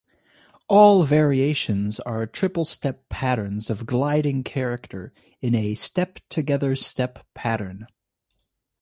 All variations are triple-step patterns of gliding character in a "step-together-step" pattern.